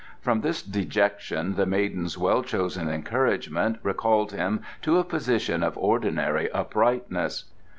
From this dejection the maiden's well chosen encouragement recalled him to a position of ordinary uprightness.